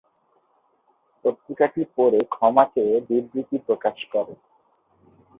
পত্রিকাটি পরে ক্ষমা চেয়ে বিবৃতি প্রকাশ করে।